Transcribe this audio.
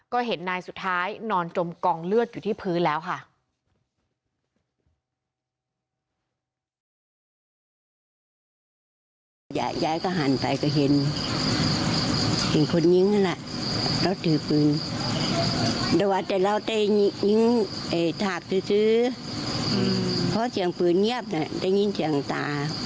ก็เห็นนายสุดท้ายนอนจมกองเลือดอยู่ที่พื้นแล้วค่ะ